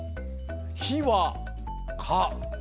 ひはか。